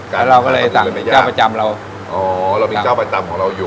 แล้วเราก็เลยสั่งเป็นเจ้าประจำเราอ๋อเรามีเจ้าประจำของเราอยู่